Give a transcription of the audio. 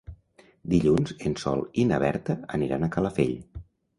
Dilluns en Sol i na Berta aniran a Calafell.